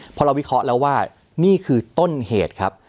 พอเราวิเคราะห์แล้วว่านี่คือต้นเหตุครับ